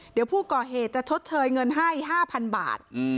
เดี๋ยวผู้ก่อเหตุจะชดเชยเงินให้๕๐๐๐บาท